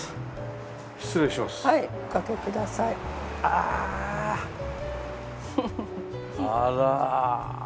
あら。